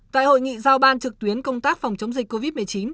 tại hội nghị giao ban trực tuyến công tác phòng chống dịch covid một mươi chín